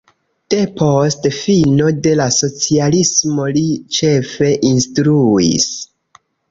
Depost fino de la socialismo li ĉefe instruis.